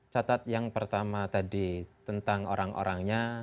catat yang pertama tadi tentang orang orangnya